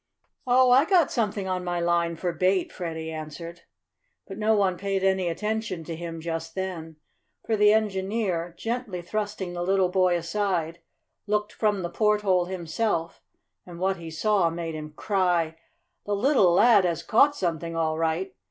"Oh, I got something on my line for bait," Freddie answered. But no one paid any attention to him just then, for the engineer, gently thrusting the little boy aside, looked from the porthole himself, and what he saw made him cry: "The little lad has caught something all right.